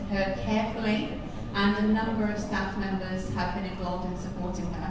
แต่จากนั้นก็ยังส่งเรื่องยอมรับการเอกรูปและเรียนสนับสนุน